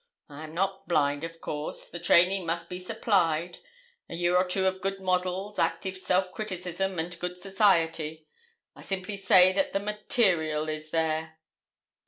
I am not blind, of course the training must be supplied; a year or two of good models, active self criticism, and good society. I simply say that the material is there.'